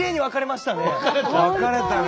分かれたね！